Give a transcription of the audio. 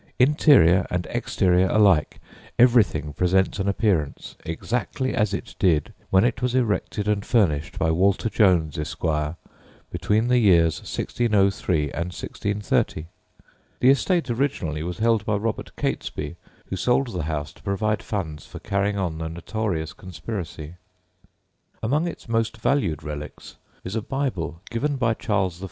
Interior and exterior alike, everything presents an appearance exactly as it did when it was erected and furnished by Walter Jones, Esquire, between the years 1603 and 1630. The estate originally was held by Robert Catesby, who sold the house to provide funds for carrying on the notorious conspiracy. Among its most valued relics is a Bible given by Charles I.